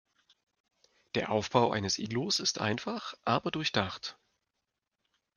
Der Aufbau eines Iglus ist einfach, aber durchdacht.